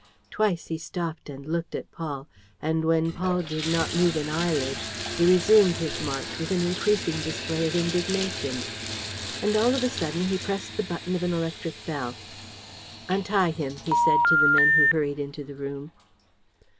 Twice he stopped and looked at Paul; and, when Paul did not move an eyelid, he resumed his march, with an increasing display of indignation. And, all of a sudden, he pressed the button of an electric bell: "Untie him!" he said to the men who hurried into the room.